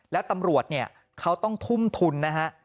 แล้วตำรวจเนี่ยเขาต้องทุ่มทุนนะฮะ